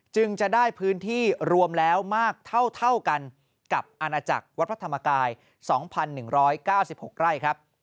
จึงจะได้พื้นที่รวมแล้วมากเท่ากันกับอาณาจักรวัดพระธรรมกาย๒๑๙๖ไร่ครับ